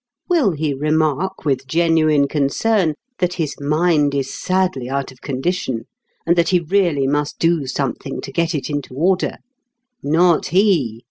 Will he remark with genuine concern that his mind is sadly out of condition and that he really must do something to get it into order? Not he.